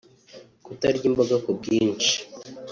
kutarya imboga ku bwinshi